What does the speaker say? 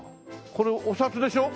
これお札でしょ？